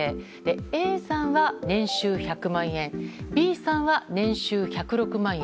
Ａさんは年収１００万円Ｂさんは年収１０６万円。